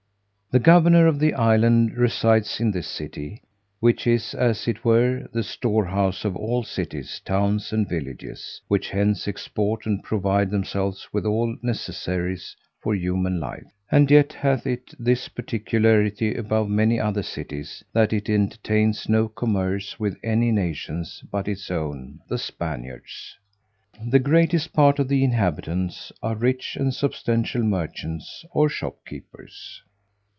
The governor of the island resides in this city, which is, as it were, the storehouse of all the cities, towns, and villages, which hence export and provide themselves with all necessaries for human life; and yet hath it this particularity above many other cities, that it entertains no commerce with any nation but its own, the Spaniards. The greatest part of the inhabitants are rich and substantial merchants or shopkeepers.